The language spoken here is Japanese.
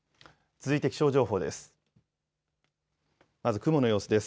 続いて気象情報です。